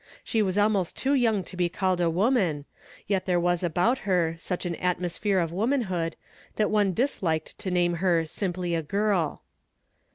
She was almost too young to be called a woman, yet there was about her such an atmosphere of womanhood that one disliked to name her simply a girl.